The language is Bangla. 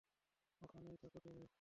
ওখানেই থাকো তুমি।